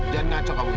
dan ngancok aku ini